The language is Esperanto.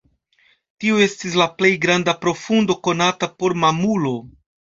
Tiu estis la plej granda profundo konata por mamulo.